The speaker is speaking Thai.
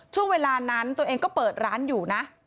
ช่วงเวลานั้นตัวเองก็เปิดร้านอยู่นะ